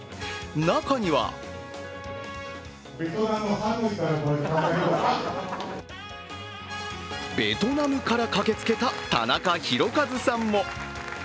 中にはベトナムから駆けつけたタナカヒロカズさんも。